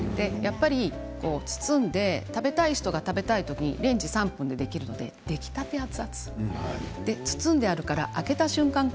やっぱり包んで食べたい人が食べたいときにレンジで３分でできる出来たて熱々包んであるから開けた瞬間